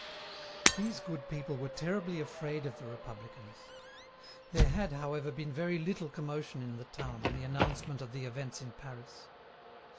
These good people were terribly afraid of the Republicans. There had, however been very little commotion in the town on the announcement of the events in Paris.